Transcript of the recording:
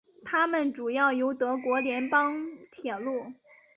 它们主要由德国联邦铁路。